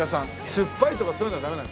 酸っぱいとかそういうのはダメ。